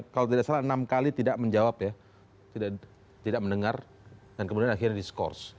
kalau tidak salah enam kali tidak menjawab ya tidak mendengar dan kemudian akhirnya diskors